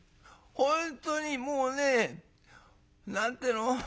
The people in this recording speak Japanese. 本当にもうね何て言うの？